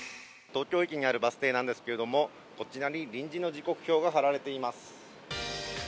東京駅にあるバス停なんですけどもこちらに臨時の時刻表が貼られています。